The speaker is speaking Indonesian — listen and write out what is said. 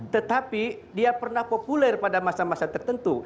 tetapi dia pernah populer pada masa masa tertentu